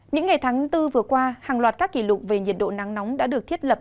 những ngày tháng bốn vừa qua hàng loạt các kỷ lục về nhiệt độ nắng nóng đã được thiết lập